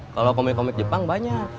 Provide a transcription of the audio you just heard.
kalau komik komik jepang banyak